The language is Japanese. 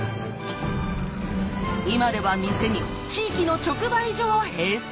今では店に地域の直売所を併設。